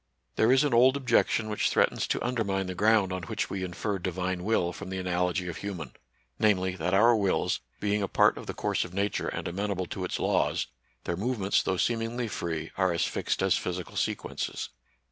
There is an old objection which threatens to NATURAL SCIENCE AND RELIGION. 97 undermine the ground on which we infer Divine will from the analogy of human ; namely, that our wills, being a part of the course of Nature and amenable to its laws, their movements, though seemingly free, are as fixed as physical sequences.